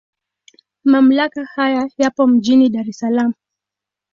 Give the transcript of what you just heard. Mamlaka haya yapo mjini Dar es Salaam.